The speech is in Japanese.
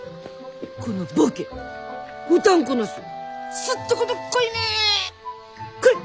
このボケおたんこなすすっとこどっこいめ！これ！